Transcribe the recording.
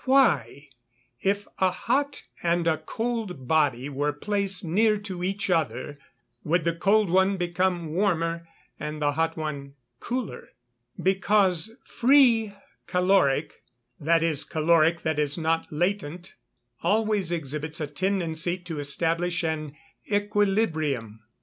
Why, if a hot and a cold body were placed near to each other, would the cold one become warmer, and the hot one cooler? Because free caloric (that is, caloric that is not latent,) always exhibits a tendency to establish an equilibrium.